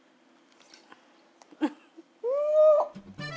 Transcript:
うまっ！